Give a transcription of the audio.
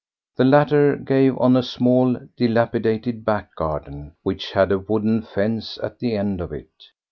The latter gave on a small, dilapidated back garden which had a wooden fence at the end of it.